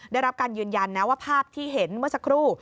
ได้รับการยืนยันนะว่าภาพที่เห็นเมื่อสักครู่